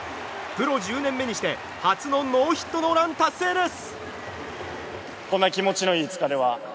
プロ１０年目にして初のノーヒットノーラン達成です！